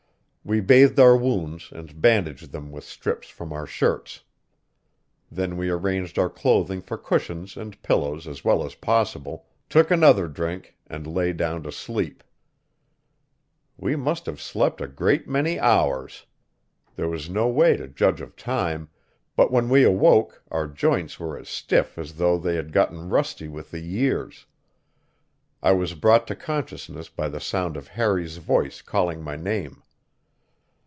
We bathed our wounds and bandaged them with strips from our shirts. Then we arranged our clothing for cushions and pillows as well as possible, took another drink, and lay down to sleep. We must have slept a great many hours. There was no way to judge of time, but when we awoke our joints were as stiff as though they had gotten rusty with the years. I was brought to consciousness by the sound of Harry's voice calling my name.